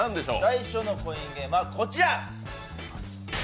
最初のコインゲームはこちら。